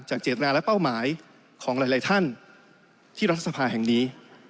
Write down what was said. เจตนาและเป้าหมายของหลายท่านที่รัฐสภาแห่งนี้